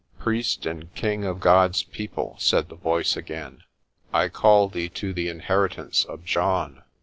"Priest and king of God's people," said the voice again, "I call thee to the inheritance of John.